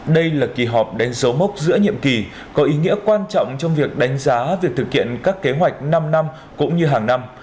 đây là kỳ họp đánh dấu mốc giữa nhiệm kỳ có ý nghĩa quan trọng trong việc đánh giá việc thực hiện các kế hoạch năm năm cũng như hàng năm